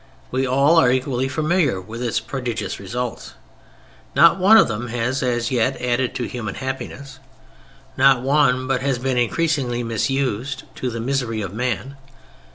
We all are equally familiar with its prodigious results. Not one of them has, as yet, added to human happiness: not one but has been increasingly misused to the misery of man.